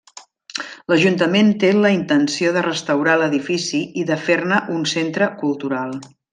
L'ajuntament té la intenció de restaurar l'edifici i fer-ne un centre cultural.